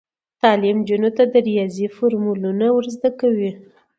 تعلیم نجونو ته د ریاضي فورمولونه ور زده کوي.